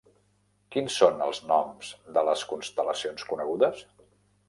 Quins són els noms de les constel·lacions conegudes?